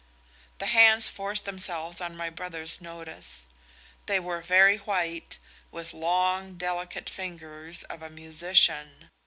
The hands forced themselves on my brother's notice: they were very white, with the long delicate fingers of a musician.